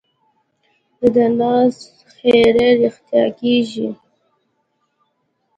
د ناز ښېرې رښتیا کېږي.